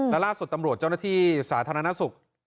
และล่าสุดตำรวจเจ้าหน้าที่สาธารณสุข